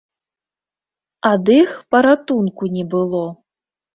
Ад іх паратунку не было.